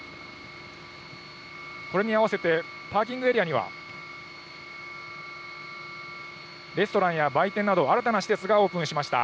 これに合わせてパーキングエリアには、レストランや売店など、新たな施設がオープンしました。